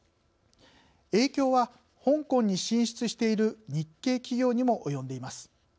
影響は香港に進出している日系企業にも及んでいます。